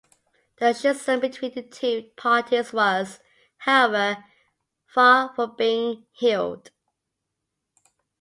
The schism between the two parties was, however, far from being healed.